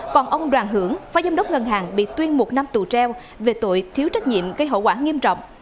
còn ông đoàn hưởng phó giám đốc ngân hàng bị tuyên một năm tù treo về tội thiếu trách nhiệm gây hậu quả nghiêm trọng